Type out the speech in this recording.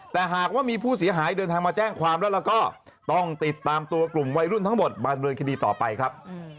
แต่หากว่ามีผู้เสียหายเดินทางมาแจ้งความแล้วก็ต้องติดตามตัวกลุ่มวัยรุ่นทั้งหมดมาดำเนินคดีต่อไปครับ